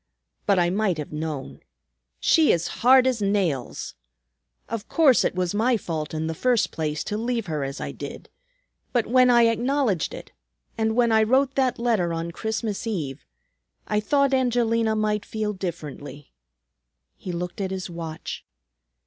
But I might have known. She is hard as nails! Of course, it was my fault in the first place to leave her as I did. But when I acknowledged it, and when I wrote that letter on Christmas Eve, I thought Angelina might feel differently." He looked at his watch.